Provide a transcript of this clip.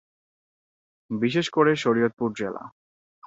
বিশেষকরে শরীয়তপুর জেলা।